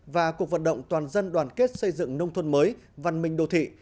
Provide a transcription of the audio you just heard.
và cuộc vận động toàn dân đoàn kết xây dựng nông thuận mới văn minh đồ thị